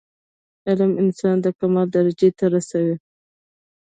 علم انسان د کمال درجي ته رسوي.